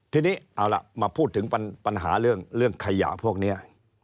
ทีนี้เอาล่ะมาพูดถึงปัญหาเรื่องขยะพวกนี้